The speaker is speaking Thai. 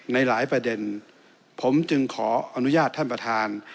ในหลายประเด็นผมจึงขออนุญาตท่านประธาน